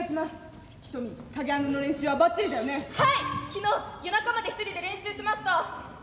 昨日夜中まで１人で練習しました。